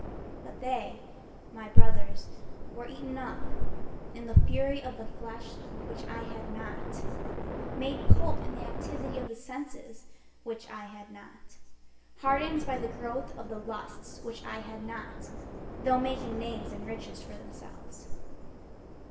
But they, my brothers, were eaten up In the fury of the flesh, which I had not, Made pulp in the activity of the senses, which I had not, Hardened by the growth of the lusts, which I had not, Though making names and riches for themselves.